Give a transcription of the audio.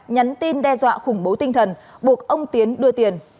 nhắn tin đe dọa khủng bố tinh thần buộc ông tiến đưa tiền